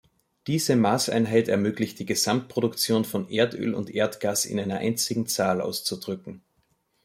Diese Maßeinheit ermöglicht die Gesamtproduktion von Erdöl und Erdgas in einer einzigen Zahl auszudrücken.